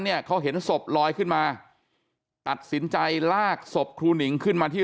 เนี่ยเขาเห็นศพลอยขึ้นมาตัดสินใจลากศพครูหนิงขึ้นมาที่